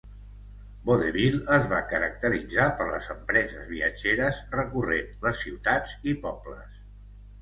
Vaudeville es va caracteritzar per les empreses viatgeres recorrent les ciutats i pobles.